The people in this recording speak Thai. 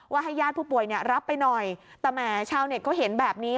ให้ญาติผู้ป่วยเนี่ยรับไปหน่อยแต่แหมชาวเน็ตเขาเห็นแบบนี้